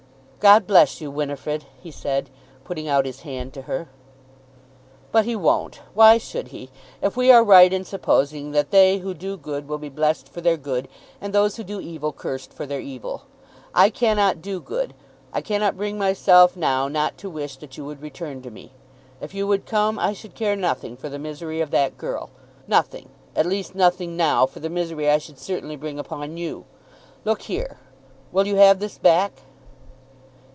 "God bless you, Winifrid!" he said, putting out his hand to her. "But he won't. Why should he, if we are right in supposing that they who do good will be blessed for their good, and those who do evil cursed for their evil? I cannot do good. I cannot bring myself now not to wish that you would return to me. If you would come I should care nothing for the misery of that girl, nothing, at least nothing now, for the misery I should certainly bring upon you. Look here; will you have this back?"